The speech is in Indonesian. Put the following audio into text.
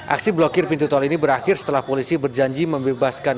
aksi blokir pintu tol ini berakhir setelah polisi berjanji membebaskan